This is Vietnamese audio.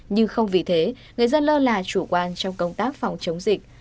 nhưng không vì thế người dân lơ là chủ quan trong công tác phòng chống dịch